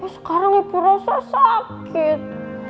sekarang ibu rasa sakit